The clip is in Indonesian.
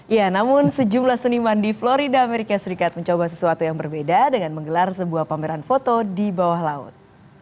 ya namun sejumlah seniman di florida amerika serikat mencoba sesuatu yang berbeda dengan menggelar sebuah pameran foto di bawah laut